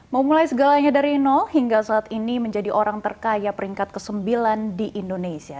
memulai segalanya dari nol hingga saat ini menjadi orang terkaya peringkat ke sembilan di indonesia